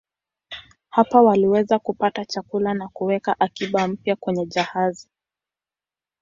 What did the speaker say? Hapa waliweza kupata chakula na kuweka akiba mpya kwenye jahazi.